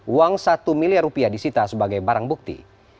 uang satu miliar rupiah disita sebagai barang bukti